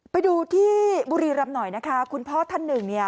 ไปดูที่บุรีรำหน่อยนะคะคุณพ่อท่านหนึ่งเนี่ย